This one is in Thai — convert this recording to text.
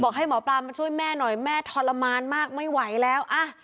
ให้หมอปลามาช่วยแม่หน่อยแม่ทรมานมากไม่ไหวแล้วอ่ะ